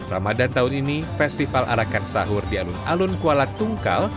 ramadan tahun ini festival arakan sahur di alun alun kuala tungkal